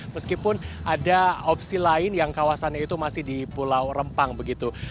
meskipun ada opsi lain yang kawasannya itu masih di pulau rempang begitu